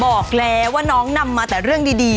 บอกแล้วว่าน้องนำมาแต่เรื่องดี